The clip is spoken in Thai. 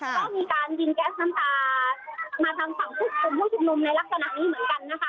ก็มีการยิงแก๊สน้ำตามาทางฝั่งผู้กลุ่มผู้ชุมนุมในลักษณะนี้เหมือนกันนะคะ